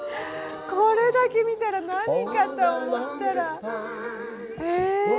これだけ見たら何かと思ったら。